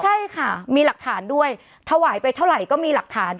ใช่ค่ะมีหลักฐานด้วยถวายไปเท่าไหร่ก็มีหลักฐาน